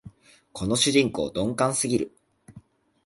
この主人公、鈍感すぎる